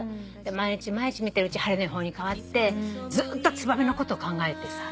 毎日毎日見てるうちに晴れの予報に変わってずっとツバメのこと考えてさ